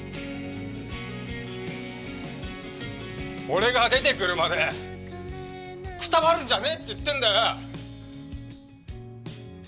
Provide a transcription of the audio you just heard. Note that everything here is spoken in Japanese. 俺が出てくるまでくたばるんじゃねえって言ってんだよ！